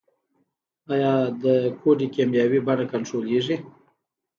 آیا د کود کیمیاوي بیه کنټرولیږي؟